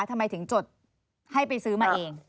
ทำไมถึงจดให้ไปซื้อมาเอง